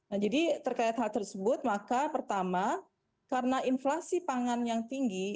nah jadi terkait hal tersebut maka pertama karena inflasi pangan yang tinggi